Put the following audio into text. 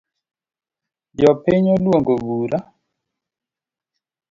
Jopiny oluongo bura